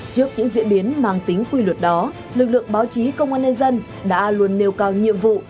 trước những diễn biến mang tính quy luật đó lực lượng báo chí công an nhân dân đã luôn nêu cao nhiệm vụ